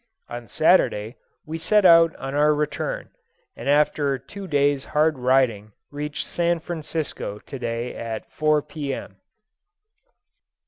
On Saturday we set out on our return, and after two days' hard riding reached San Francisco to day at 4, P.M.